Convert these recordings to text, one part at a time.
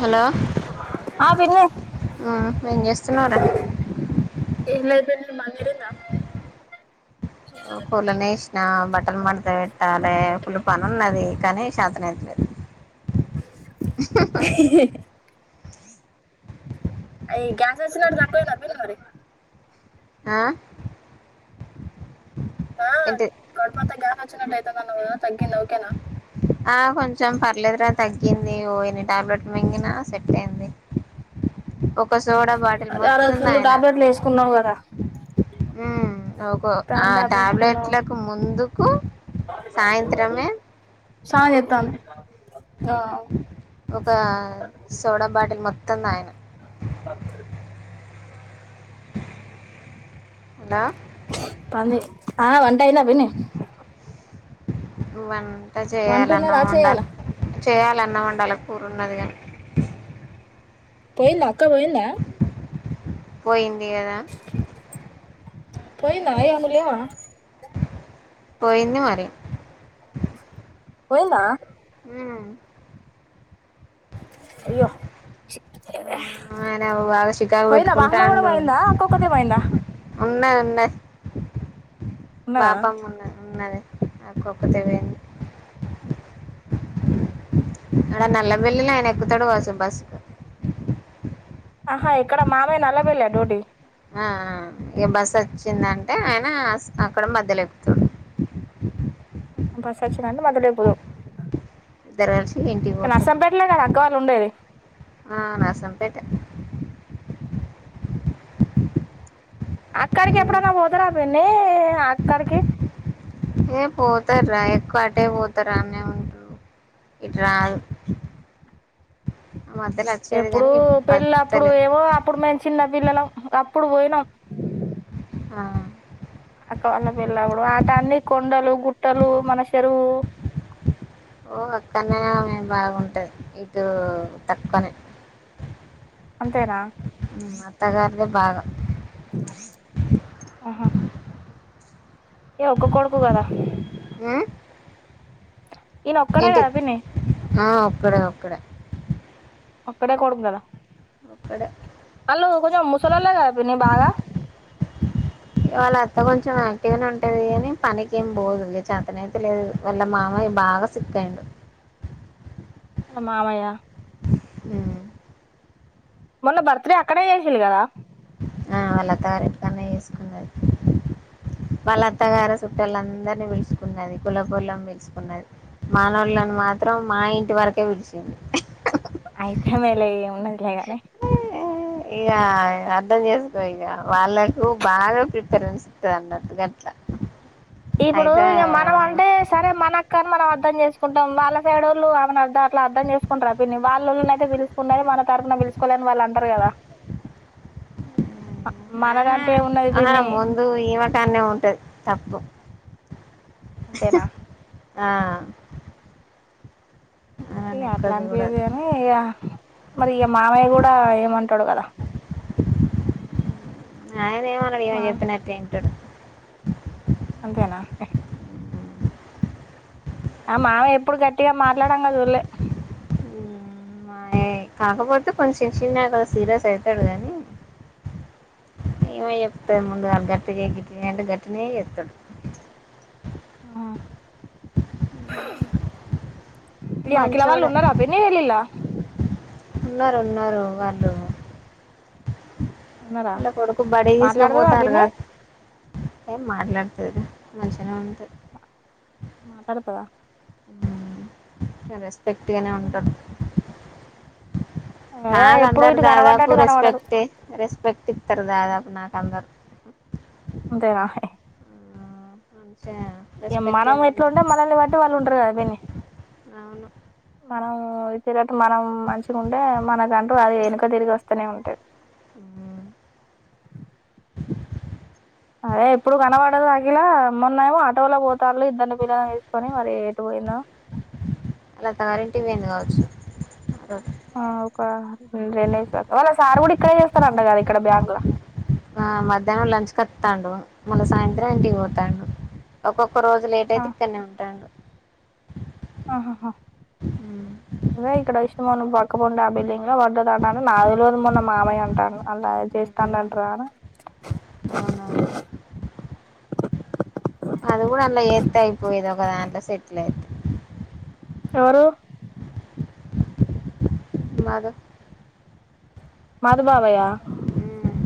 Hello ఆ ఏం జేస్తున్నావ్రా. పెళ్ళు మంది రిందా. ఫలనే ఇసిన బట్టలు మాడత పెట్టాలే ఫుళ పను ఉన్నది కానీ శాంతనేంతలేదు అ గ్యాస్ వ్యాసిన తకుప్పి మీ ఆ ఆ ఏంటి కొడ్పోత గ్ఞన చయి న తగ్గిందివకేనా ఆ కొంచెం పర్లేదురా తగ్గింది ఓ ఎన్ని టాబ్లెట్ మింగిన సెట్ అయింది ఒక సోడా బాటిల్ అ అరై మొత్తం ఫులు తాగిన టాబ్లెట్లు వేసుకున్నావు కదా ఆ ఔకో ఆ ప్యాన్ టాబ్లెట్ వేసుకున్నావు టాబ్లెట్లకు ముందుకు సాయంత్రమే. చాయెత్తాలి. ఆ ఒక సోడా బాటిల్ మొత్తం తాగిన ఒకే ఉ ప ఆ వం గైలా వెని వన్ అట్లా చేయాలన్నా చేయాలా ఉండాలి చేయాల అన్నం వండాల కూరున్నది కానీ పోయింద అక్క పోయింద పోయింది కదా పోయిందామాయి అము లేవా పోయింది మరి పోయిందా హ్మ్ అయ్యో ఆయన బాగా చికాకు పోయింద బామ్మ కూడా పెట్టుకుంటాండు పోయిందా అక్క ఒక్కతే పోయిందా బై ఉన్నదా బాపమ్ ఉన్న ఉన్నది అక్కొక్కతే పోయింది హ్మ్ అక్కడ నల్లవెల్లిలో ఆయన ఎక్కుతాడు కావోసు బస్ ఆహా ఇక్కడ మామయ్య నలబల్ల డ్యూటీ ఆ ఇక బస్సు వచ్చిందంటే ఆయన అక్కడ మధ్యలో ఎక్కుతాడు బస్సు వచ్చిందంటే మధ్య లో ఎక్కుదు ధరంచి నర్సంపేటలే కదా అక్క వాళ్ళు ఉండేది ఆ నాసంపేటే అక్కడికి ఎప్పుడైనా పోతారా పిన్ని అక్కడికి ఏ పోతారా ఎక్కువ అటే పోతారు అనిరు ఇటు రా ఎప్పుడు పెళ్ళప్పుడు పత్తలే ఏమో అప్పుడు చిన్నద్ పిల్లలం అప్పుడు పోయినాం ఆ అక్క వాళ్ళ పెళ్ళప్పుడు అటు అన్ని కొండలు గుట్టలు మన చెరువు ఓ అక్కనే ఆమే బాగుంటది ఇటు తక్కువనే అంతేనా సగాని బాగా ఆహా ఏ ఒక్క కొడుకు కదా ఉమ్, ఈయన ఒక్కడే ఏంటి కదా పిన్ని ఆ ఒక్కడే ఇక్కడే ఒక్కడే కొడుకు కదా అలో ఒక కొంచం ముసలలేగాపోని బాగా వాళ్ళ అత్త కొంచెం యాక్టివ్గానే ఉంటది కని పనికి ఏమి పోదు లే చేతనై తె లేదు వాళ్ళ మామయ్య బాగా సిక్కఅయిండు వాళ్ళ మామయ్య ఉ మొన్న బర్త్ డే అక్కడే చేసిలు కదా ఆ వాళ్లత్తగారు ఎట్కన్నా వేసుకున్నది. వాళ్లత్తగారు చుట్టూల అందరినీ పిలుచుకున్నది. కుల పొలం పిలుచుకున్నది. మానోళ్ళని మాత్రం మా ఇంటి వరకే పిలిచింది. అయితే ఆమెలే ఉన్నదిలే గానీ ఇగ అర్థం చేసుకో ఇంగ వాళ్ళకు బాగా ప్రిపరెన్స్ ఇస్తంది. గట్ల ఇప్పుడు ఇగ మనం అంటే సరే మనక్కని మనం అర్ధం చేసుకుంటాం వాళ్ళ సేడోళ్లు అట్ట అంటర్ అలా అర్థం చేసుకుంటారా పిన్ని వల్లోళ్లను ఐత్ పిలుసుకున్న మన తరపున పిలుచుకోలేన వాళ్ళు అంటరు కదా! ఆహా మనదంటే ఏమున్నది ఆ పిన్ని ముందు ఇమే కాన్నే ఉంటది. తప్పు. అంతేనా ఆ ఆమెను ఇగ ఎక్కువ అట్లా అనిపియదు చూడదు కాని ఇగ మరి ఇగ మామయ్య కూడా ఏమన్ ఉంటడు కదా ఆయన ఏమన్నాడు ఈమె మా చెప్పినట్టే. ట్టడ అంతేనా ఆ మావయ్య ఎప్పుడు గట్టిగా మాట్లాడంగా జూడలే కాకపోతే కొంచెం చిన్న సీరియస్ అయితాడు గానీ ఏమే చెప్తాడు ముందుగా గట్టి చే గిట్ల చే అంటే గట్టినే చెస్తాడు. ఆ మీ అఖిల వాళ్ళు మంచోడే ఉన్నార పిన్ని వెలిల్ల ఉన్నారు ఉన్నారు వాళ్ళు ఉన్నారా వాళ్ళ కొడుకు బర్త్డే తీసుకో మాట్లాడుతదా పోతారు పిన్ని కదా ఏం మాట్లాడుతది. మంచిగానే ఉంటే మాట్లాడుతదా హ్మ్ [unintelligible] గట్టిగానే ఉంటాది అదే నాదు ఎప్పుడు అందర్ ఇటు దాదాపు కనబడ్డట్టు కనబడరు రెస్పెక్ట్ ఏ రెస్పెక్ట్ పితర దాదాపు నాకు అందరు ఇంకా రాలే మంచిగా ఇగ మనం రెస్పెక్ట్గానే ఎట్లా ఉంటారు ఉంటే మనల్ని వట్టి వాళ్ళు ఉంటారు గద, పిన్ని, అవును మనమూ. ఈ రోజు మనం మంచిగా ఉంటే, మనకంటూ అది వెనుక తిరిగి వస్తూనే ఉంటాది. ఉమ్. అదే ఎప్పుడు కనబడదు అఖిల మన్నేమో ఆటోలో పోతాలు ఇద్దరిని పిల్లని తీసుకొని మరి ఎటు పోయిందో ఆలా సార్ ఇంటికి పోయిండు కావ. [inaudible] ఆ ఒక రెండే ఇస్తార్ వాళ్ళ సార్ కూడా ఇక్కడే చేస్తారంట కదా ఇక్కడ బ్యాంకుల. ఆ మధ్యాహ్నం లంచ్ కత్తండు, మళ్ళ సాయంత్రం ఇంటికి పోతాండు, ఒక్కొక్కొ. ఒక రోజు లేట్ అయితే ఇక్కడనే ఉంటాండు అహా ఉమ్. అదే ఇక్కడ ఇష్ మనం పక్క [unintelligible] ఆ బిల్లింగ్ వంట [unintelligible] నాదిలోది మొన్న మామయ్య అంటాండ అల్లాయి చేస్తానట్ రారా అవునా ఒక దాంట్లో సెటిల్ అయితే ఎవరు మాధవ్ మధు బాబాయ ఉమ్.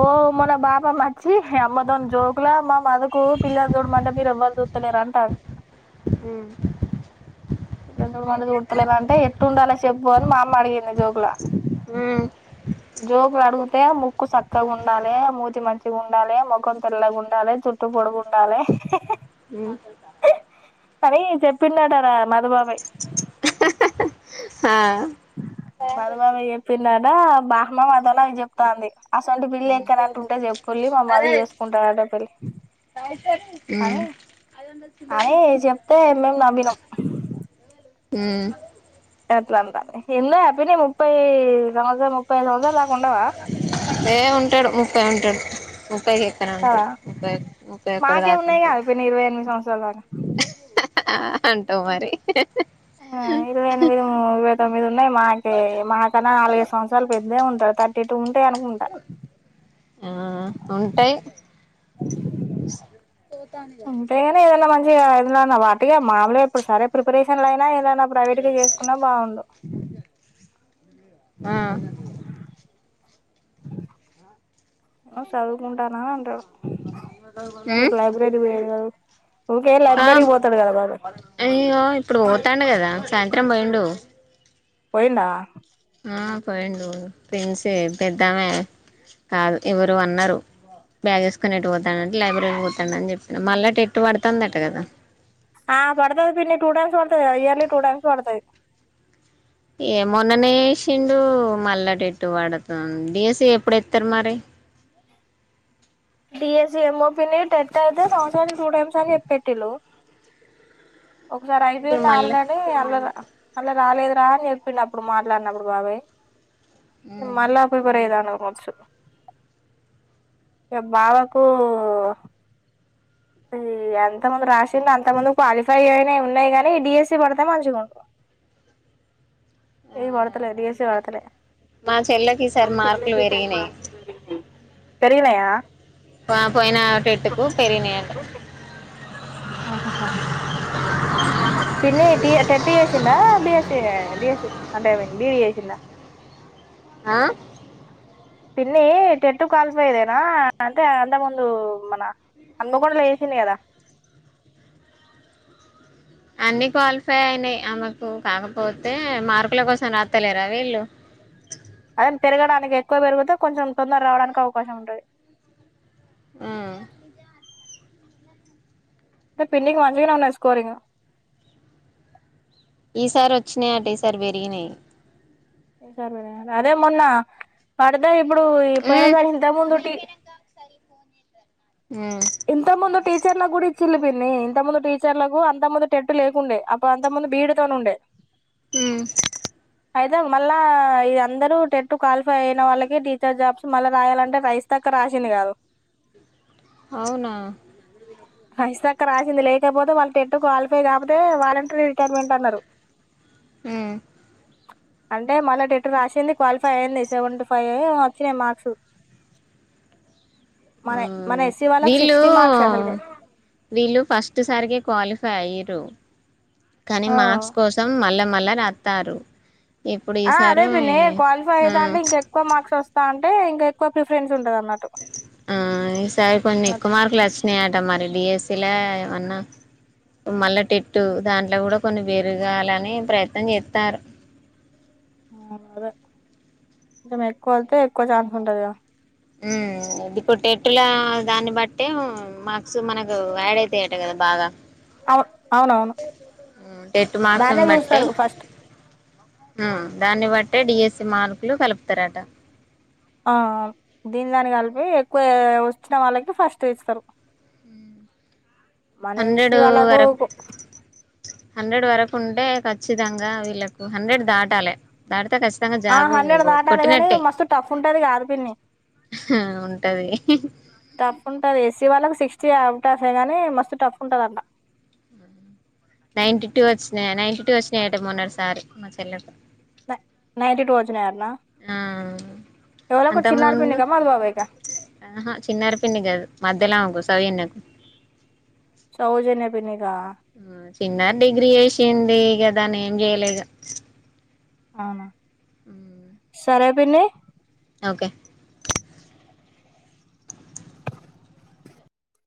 ఓ మొన్న బాపమ్మ అచ్చి అమ్మ తోన్ జోకుల మా మధు కు పిల్లని చూడమంటే మీరు ఎవరు చు లేరంట వన్ మాఅమ్మ అడిగింది జోకుల జోకులు అడుగు తే ముక్కు సక్కగా ఉండాలే మూతి మంచిగా ఉండాలే మొఖం తెల్లగా ఉండాలి జుట్టు పొడుగు ఉండాలే హ్మ్ అనీ చెప్పిందట రా మధు బాబాయ్ ఆ మధు బాబాయ్ చెప్పిండట [unintelligible] మామయ్ కి చెప్తాంది అసువంటి క పెళ్లి ఎక్కడన ఉంటే చెప్పుళ్ళి మా మధు చేసుకుంటాడు అట పెళ్ళి అని అని చెప్తే మేము నవ్వినం హ్మ్ అట్ల అంత ఎన్నో ఆపినయ్ ముప్పై రాజో ముప్పై సమస్త్రాలు దాకా ఉండవా తేయిటన్ [unintelligible] కదా ఉంటాడు ముప్పై ఒక్కటి దాకా ఉంటారు యవరాం ఆ అంటావ్ మరి ఆ ఇరవై ఎనిమిది ఇరవై తొమ్మిది ఉన్నాయి మాకే మాకన్నా నాలుగైదు సంవత్సరాలు పెద్దే ఉంటావ్ తక్కు ఎటు ఉన్ ఇక్కడే అనుకుంట ఆ ఉంటాయ్ ఉంటెగాని ఎవరైన మం టే ఏదన్న వాటిగా మాములే ఇప్పుడు సరే ప్రిపరేషన్లు అయినా ఏద నా ప్రైవేట్ గా చేసుకున్నా బాగుండు ఆ చుదువుకుంటానా అంటాడు ఇప్పుడు లైబ్రేరీకి పోయాడు ఆ అయ్యో ఇప్పుడు పోతాండు కదా సాయంత్రం పోయిండు పోయిండా ఆ పోయిండు ఫెండ్స్ పెద్దామే కాదు ఎవరు అన్నారు బ్యాగేసుకొని ఎటుపోతాడంటే లైబ్రరీకి పోతాండు అని చెప్పా మళ్ళా టెట్టు పడుతుందట కదా ఆ పడుతది పిన్ని‌ టూటైమ్స్ పడుతదిగా ఇయర్లీ టూటైమ్స్ పడుతది ఏ మొన్ననేసిండు మల్ల టెట్ పడుతుంది డీఎస్సీ ఎప్పుడు ఎత్తారు మరి డిఎస్సి ఏమో పిన్ని టెట్ అయితే సంవత్సరానికి టూటైమ్స్ అని పెట్టిలు ఒకసారి ఇప్పుడు అయిపోయింది మళ్ళా ఆల్రెడీ అన్నారు అళ్ళ రాలేదు రా అని చెప్పిండు అప్పుడు మాట్లాడినప్పుడు బాబాయ్ మళ్ళా ప్రిపేర్ అయితన్నావ్ కోర్సు ఏ బావాకు ఎంత మంది రాసింది అంత మంది క్వాలిఫై అయినే ఉన్నాయి గాని డిఎస్సి పడితే మంచిగా ఉంట ఆ ఏ పడుతలే డీఎస్సీ పడుతలే మా చెల్లకి ఈసారి మార్కులు పెరిగినాయి పెరిగినయా ఆ పోయిన టేట్టుకు పెరిగి న్నాయి అంట ఆహాహా పిన్ని టి టెట్ చేసిందా బిఎస్సీ డీఎస్సీ అంటే బీఈడీ చేసిందా ఆ పిన్ని టెట్టు క్వాలిఫైయేదేనా అంటే అంత ముందు మన హన్మకొండలో చేసింది కదా అన్ని క్వాలిఫై అయినాయి ఆమెకు కాకపోతే మార్కుల కోసం రాస్తలేరా వీళ్ళు అదే తిరగడానికి ఎక్కువ పెరిగితే కొంచెం తొందర రావడానికి అవకాశం ఉంటది ఆ అంటే పిన్నికి మంచిగానే ఉన్నది స్కోర్ ఇంకా ఈసారి వచ్చినాయ్యట ఈసారి పెరిగినాయ్ అదే మొన్న పడుదయి ఇప్పుడు ఈ పోయినసారి ఇంతకుముందు టీ హ్మ్ ఇంతకుముందు టీచర్లకు కూడా ఇచ్చిండ్రు పిన్ని, ఇంతక ముందు టీచర్లకు అంత ముందు టెట్ లేకుండే, అప్పుడు అంత ముందు బిఈడితో ఉండే హ్మ్ అయితే మళ్ళా ఇగ అందరు టెట్ క్వాలిఫై అయిన వాళ్ళకి, టీచర్ జాబ్స్ మళ్ళ రాయాలంటే రాజీతక్క రాసింది కాదు. అవునా హైయిస్తక్క రాసింది లేకపోతే వాళ్ళు టెట్టు క్వాలిఫై కాకపోతే వాలంటీరీ రిటైర్మెంట్ అన్నరు హ్మ్ అంటే మళ్ళా టెట్ రాసింది క్వాలిఫై అయ్యింది. సెవెంటీ ఫై ఏమో వచ్చినాయి మార్క్స్. మన మన ఆ ఎస్సీ వాళ్ళకి సిక్స్టీ మార్క్స్ అసలు కి వీళ్ళు వీళ్ళు ఫస్ట్ సారికే క్వాలిఫై ఫై అయిరు కానీ ఆ మార్క్స్ కోసం మళ్ళా మ్ మల్ల రాత్తారు ఆ అదే పిన్ని క్వాలిఫై అయితాంటె ఇంక ఎక్కువ మార్క్స్ వస్తా న్ టే ఇంకా ఎక్కువ ప్రిఫెన్స్ ఉంటాద ప్ ఆ ఈ సారి కొన్ని ఎక్కువ మార్కులు వచ్ నాయిట మరి డిఎస్సీలో ఏమన్నా మళ్ల టెట్టు, దాంట్లో కూడా కొన్ని బేరుగాలని ప్రయత్నం చేస్తానరు ఆ అదేే కొంచెం ఎక్కువ వెళ్తే ఎక్కువ ఛాన్స్ ఉంటది గా హ్మ్ ఇది కుట్టేట్ ట్ల దాన్ని బట్ టే మాక్స్ మనకు ఆడ్ అయితాయట కదా బాగా అవు అవునవును ఉమ్, టెట్ దాన్నే మార్క్స్ని చూస్తారు ఫస్ట్ హ్మ్ దాన్ని బట్టే డిఎస్సి మార్కులు కలుపుతారట ఆ దీని దాన్ని కలిపి ఎక్కువ వచ్చిన వాళ్ళకి ఫస్ట్ ఇస్తరు మన ఏస్సి హండ్రెడ్ వాళ్ళకు వరకు క్ హండ్రెడ్ వరకు ఉంటే ఖచ్చితంగా వీళ్ళకు హండ్రెడ్ దాటాలే దాట్ ఆ హల్్రెడ్ దాటాలి కాని మస్తు టఫ్ ఉంటది కాదు పిన్ని ఉంటది టఫ్ ఉంటది ఏసీ వాళ్ళకు సిక్ చ్చి ఔట్ టఫే గానీ మస్తు టఫ్ ఉంటదంట నైన్టీ టూ వచ్చినయా, నైన్టీ టూ వచ్చినాయి యట మొన్నడు సారి మా చెల్లెకు నై నైన్టీటు వచ్చినాయ ఆ అంత చిన్నారి ముందు పిన్నికా మధు బాబాయ్ కా ఆహ చిన్నారి పిన్ని కాదు మధ్యలో ఆమెకు నవీన కు సౌజన్య పిన్నికా హు చిన్న డిగ్రీ ఏసీన్ అదీ గదా అని ఏం చేయలే ఇగ అవునా ఆ సరే పిన్ని ఓకే